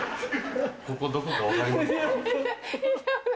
ここどこか分かりますか？